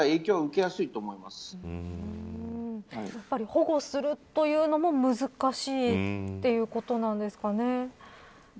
やはり、保護するというのも難しいということなんですかね。